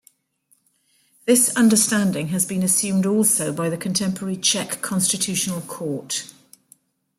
This understanding has been assumed also by the contemporary Czech Constitutional court.